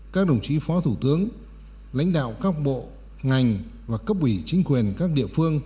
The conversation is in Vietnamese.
các đồng chí phó thủ tướng lãnh đạo các bộ ngành và cấp ủy chính quyền các địa phương